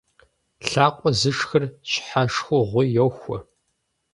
Лъакъуэ зышхыр щхьэ шхыгъуи йохуэ.